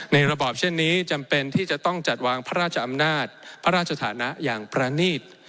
ระบอบเช่นนี้จำเป็นที่จะต้องจัดวางพระราชอำนาจพระราชฐานะอย่างประนีต